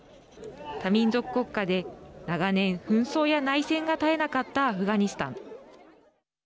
多民族国家で、長年紛争や内戦が絶えなかったアフガニスタン。